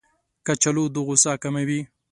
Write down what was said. کچالو د غوسه کموي